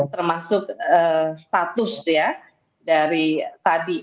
termasuk status ya dari tadi